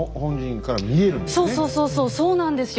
そうそうそうそうそうなんですよ。